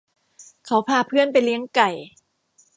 เขาพาเพื่อนไปเลี้ยงไก่